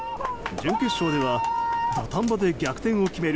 準決勝では土壇場で逆転を決める